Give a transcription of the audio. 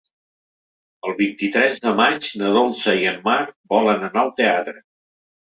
El vint-i-tres de maig na Dolça i en Marc volen anar al teatre.